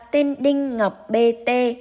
tên đinh ngọc b t